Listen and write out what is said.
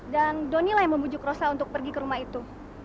dan doni lah yang membujuk rosa untuk pergi ke rumah itu